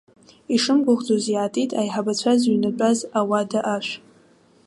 Ишымгәыӷӡоз иаатит аиҳабацәа зыҩнатәаз ауада ашә.